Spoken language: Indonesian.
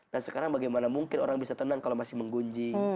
nah sekarang bagaimana mungkin orang bisa tenang kalau masih menggunji